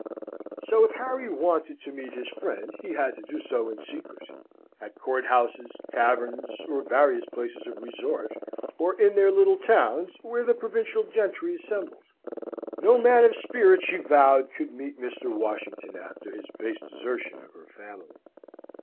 So, if Harry wanted to meet his friend, he had to do so in secret, at court houses, taverns, or various places of resort; or in their little towns, where the provincial gentry assembled. No man of spirit, she vowed, could meet Mr. Washington after his base desertion of her family.